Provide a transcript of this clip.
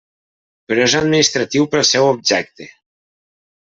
Però és administratiu pel seu objecte.